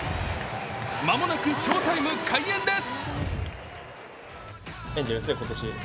間もなく翔タイム開演です。